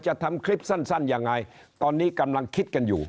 จะทำคลิปสั้นยังไงตอนนี้กำลังคิดกันอยู่